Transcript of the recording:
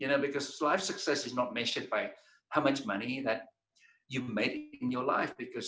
karena keberhasilan hidup tidak disebutkan oleh berapa banyak uang yang anda buat dalam hidup anda